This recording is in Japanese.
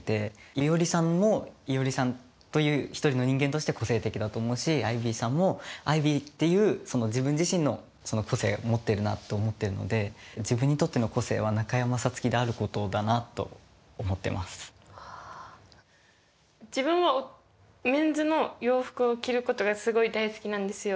いおりさんもいおりさんという一人の人間として個性的だと思うしアイビーさんもアイビーっていう自分自身の個性持ってるなと思ってるので自分はメンズの洋服を着ることがすごい大好きなんですよ。